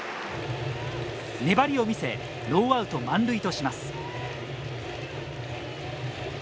粘りを見せノーアウト満塁とします。